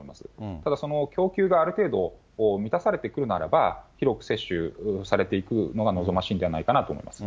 ただ供給がある程度満たされてくるならば、広く接種されていくのが望ましいのではないかなと思います。